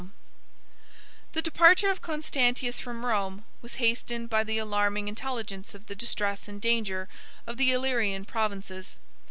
—M] The departure of Constantius from Rome was hastened by the alarming intelligence of the distress and danger of the Illyrian provinces.